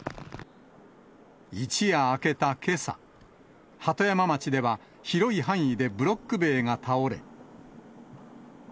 一夜明けたけさ、鳩山町では、広い範囲でブロック塀が倒れ。